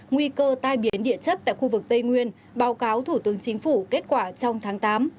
nguy cơ tai biến địa chất tại khu vực tây nguyên báo cáo thủ tướng chính phủ kết quả trong tháng tám